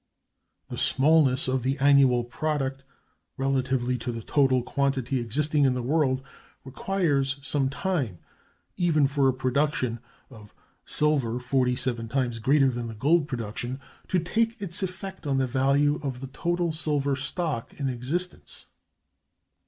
The smallness of the annual product relatively to the total quantity existing in the world requires some time, even for a production of silver forty seven times greater than the gold production, to take its effect on the value of the total silver stock in existence.